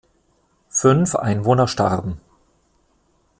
Fünf Einwohner starben.